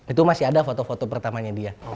itu masih ada foto foto pertamanya dia